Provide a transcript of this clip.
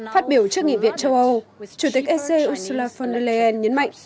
phát biểu trước nghị viện châu âu chủ tịch ec ursula von der leyen nhấn mạnh